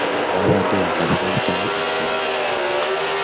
Baabadde baakaziika kitaawe eggulo.